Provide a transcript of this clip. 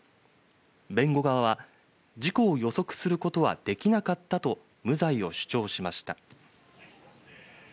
弁護側は、事故を予測することはできなかったと、無罪を主張しました。